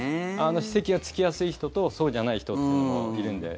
歯石がつきやすい人とそうじゃない人というのもいるんで。